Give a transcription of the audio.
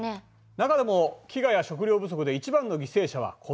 中でも飢餓や食料不足で一番の犠牲者は子どもなんだ。